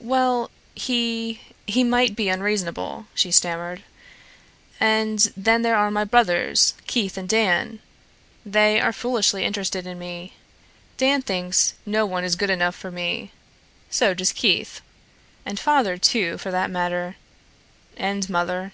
"Well, he he might be unreasonable," she stammered. "And then there are my brothers, Keith and Dan. They are foolishly interested in me. Dan thinks no one is good enough for me. So does Keith. And father, too, for that matter, and mother.